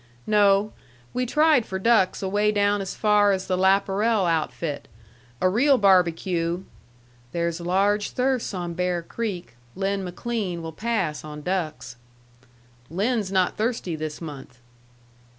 "No. We tried for ducks away down as far as the Laparel outfit. A real barbecue " "There's large thirsts on Bear Creek. Lin McLean will pass on ducks." "Lin's not thirsty this month."